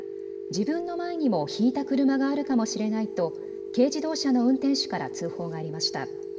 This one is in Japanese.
自分の前にもひいた車があるかもしれないと軽自動車の運転手から通報がありました。